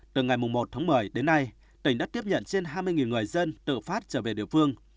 từ ngày một tháng một mươi đến nay tỉnh đã tiếp nhận trên hai mươi người dân tự phát trở về địa phương